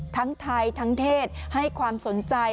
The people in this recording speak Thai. ทั้งไทยทั้งเทศให้ความสนใจ